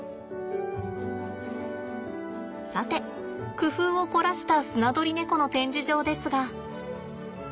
さて工夫を凝らしたスナドリネコの展示場ですが。